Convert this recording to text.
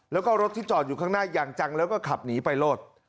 แล้วก็รถที่จอดอยู่ข้างหน้าอย่างจังแล้วก็ขับหนีไปโลด